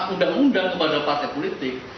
undang undang kepada partai politik